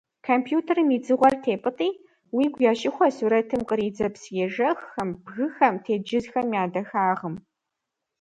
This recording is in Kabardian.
Компьютерым и «дзыгъуэр» тепӀытӀи, уигу ящыхуэ сурэтым къридзэ псыежэххэм, бгыхэм, тенджызхэм я дахагъым.